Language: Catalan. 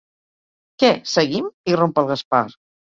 Què, seguim? —irromp el Gaspar—.